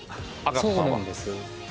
そうなんです。